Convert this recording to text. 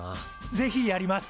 ぜひやります。